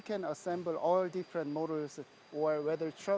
kami bisa menggabungkan model model yang berbeda apakah mobil atau bus tidak penting